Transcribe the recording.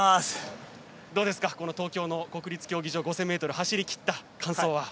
どうですか、この東京の国立競技場５０００ｍ走りきった感想は。